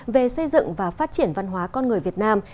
về xây dựng và phát triển văn hóa con người việt nam